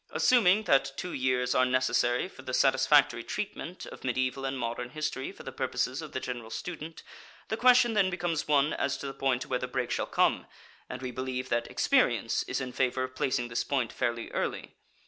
Assuming that two years are necessary for the satisfactory treatment of mediæval and modern history for the purposes of the general student, the question then becomes one as to the point where the break shall come, and we believe that experience is in favor of placing this point fairly early.